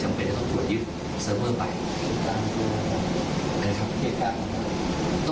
หกสิบล้าน